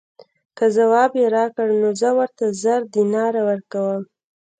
که ځواب یې راکړ نو زه ورته زر دیناره ورکووم.